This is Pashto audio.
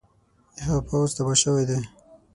د هغه پوځ تباه شوی دی.